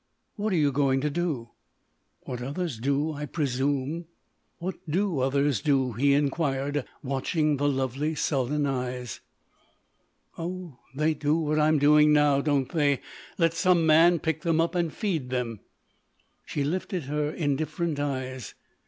"What are you going to do?" "What others do, I presume." "What do others do?" he inquired, watching the lovely sullen eyes. "Oh, they do what I'm doing now, don't they?—let some man pick them up and feed them." She lifted her indifferent eyes.